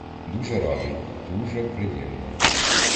Дуже радий, дуже приємно.